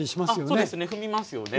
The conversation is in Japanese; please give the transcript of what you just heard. あっそうですね踏みますよね。